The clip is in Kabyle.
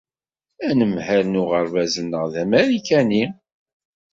Anemhal n uɣerbaz-nneɣ d Amarikani.